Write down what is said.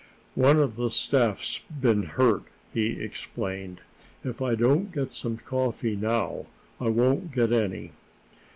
"One of the staff's been hurt," he explained. "If I don't get some coffee now, I won't get any."